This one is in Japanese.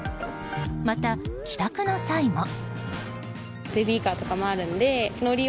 また、帰宅の際も。